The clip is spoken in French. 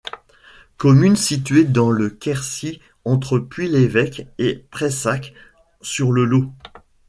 Commune située dans le Quercy entre Puy-l'Évêque et Prayssac sur le Lot.